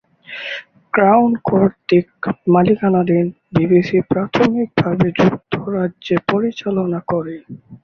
Crown কর্তৃক মালিকানাধীন, BBC প্রাথমিকভাবে যুক্তরাজ্যে পরিচালনা করে।